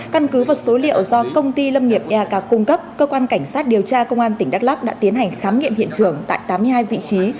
căn cứ vào số liệu do công ty lâm nghiệp yaka cung cấp cơ quan cảnh sát điều tra công an tỉnh đắk lắc đã tiến hành khám nghiệm hiện trường tại tám mươi hai vị trí